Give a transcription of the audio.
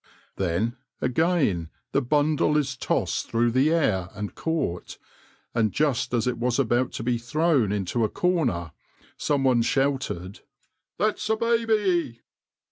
Then, again, the bundle is tossed through the air and caught, and just as it was about to be thrown into a corner, some one shouted, "That's a baby!"